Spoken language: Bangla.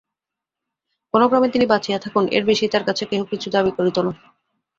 কোনোক্রমে তিনি বাঁচিয়া থাকুন, এর বেশি তাঁর কাছে কেহ কিছু দাবি করিত না।